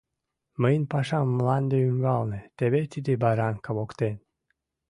Мыйын пашам мланде ӱмбалне, теве тиде баранка воктен.